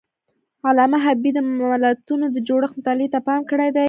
علامه حبيبي د ملتونو د جوړښت مطالعې ته پام کړی دی.